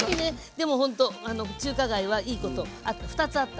でもほんと中華街はいいこと２つあった。